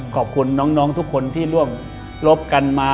ขอบคุณน้องทุกคนที่ร่วมรบกันมา